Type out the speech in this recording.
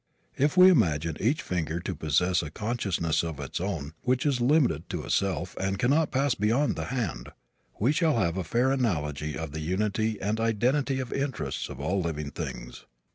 If we imagine each finger to possess a consciousness of its own, which is limited to itself and cannot pass beyond to the hand, we shall have a fair analogy of the unity and identity of interests of all living things.